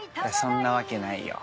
そんなわけないよ。